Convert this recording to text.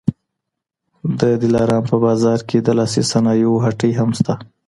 د دلارام په بازار کي د لاسي صنایعو هټۍ هم سته